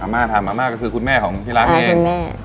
มาทำอาม่าก็คือคุณแม่ของที่ร้านเอง